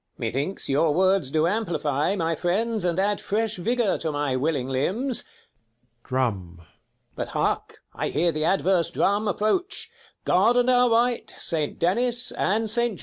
Methinks, your words do amplify (my friends) And add fresh vigour to my willing limbs : [Drum. But hark, I hear the adverse drum approach. God and our right, saint Denis, and saint George.